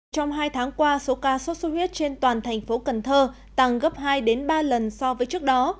trong hai tháng qua số ca sốt xuất huyết trên toàn thành phố cần thơ tăng gấp hai ba lần so với trước đó